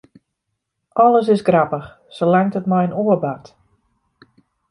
Alles is grappich, salang't it mei in oar bart.